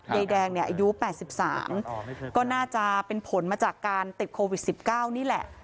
ยายแดงเนี่ยอายุ๘๓ก็น่าจะเป็นผลมาจากการติดโควิด๑๙นี่แหละ